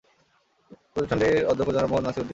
প্রতিষ্ঠানটির অধ্যক্ষ জনাব মোহাম্মদ নাসির উদ্দিন।